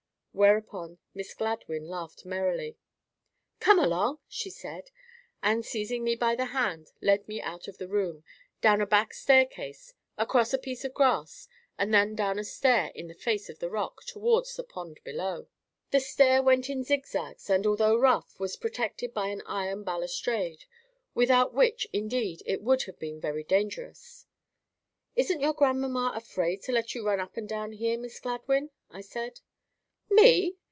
Whereupon Miss Gladwyn laughed merrily. "Come along," she said, and, seizing me by the hand, led me out of the room, down a back staircase, across a piece of grass, and then down a stair in the face of the rock, towards the pond below. The stair went in zigzags, and, although rough, was protected by an iron balustrade, without which, indeed, it would have been very dangerous. "Isn't your grandmamma afraid to let you run up and down here, Miss Gladwyn?" I said. "Me!"